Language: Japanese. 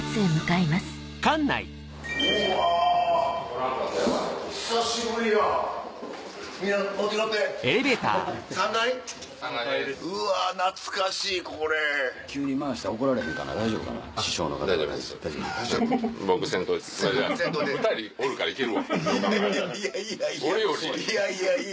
いやいやいやいや。